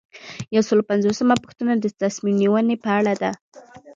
یو سل او پنځوسمه پوښتنه د تصمیم نیونې په اړه ده.